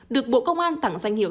được bộ công an tặng danh hiệu